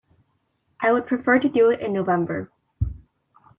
I would prefer to do it in November.